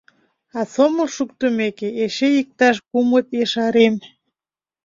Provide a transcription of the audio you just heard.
А сомыл шуктымеке, эше иктаж кумыт ешарем.